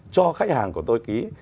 cho khách hàng của tôi ký